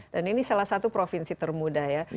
dan ini salah satu provinsi termuda ya